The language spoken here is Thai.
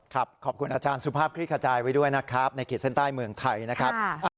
ขอบคุณอาจารย์สุภาพคลิกขจายไว้ด้วยนะครับในขีดเส้นใต้เมืองไทยนะครับ